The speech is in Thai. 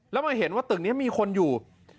แล้วมาเห็นว่าตึกนี้มีคนอยู่